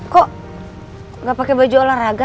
kok nggak pakai baju olahraga